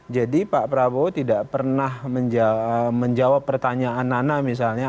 jadi pak prabowo tidak pernah menjawab pertanyaan pertanyaan misalnya